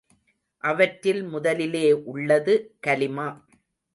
அவற்றில் முதலிலே உள்ளது கலிமா.